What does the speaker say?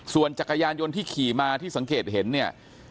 ส่วนจักรยานยนต์ที่ขี่มาที่สังเกตเห็นเนี่ย